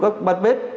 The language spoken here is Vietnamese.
các bát bếp